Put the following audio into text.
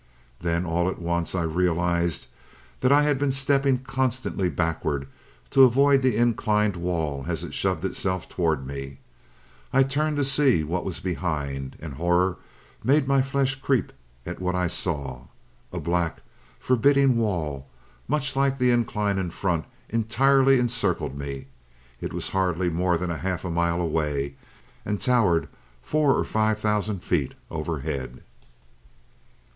"Then, all at once, I realized that I had been stepping constantly backward, to avoid the inclined wall as it shoved itself towards me. I turned to see what was behind, and horror made my flesh creep at what I saw. A black, forbidding wall, much like the incline in front, entirely encircled me. It was hardly more than half a mile away, and towered four or five thousand feet overhead.